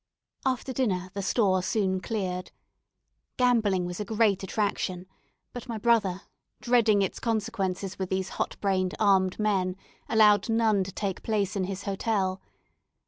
After dinner the store soon cleared. Gambling was a great attraction; but my brother, dreading its consequences with these hot brained armed men, allowed none to take place in his hotel.